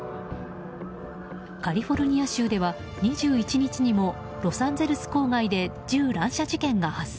カリフォルニア州では２１日にもロサンゼルス郊外で銃乱射事件が発生。